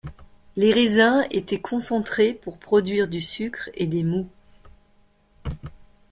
Les raisins étaient concentrés pour produire du sucre et des moûts.